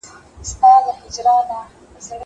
دا ليکنه له هغه ښه ده.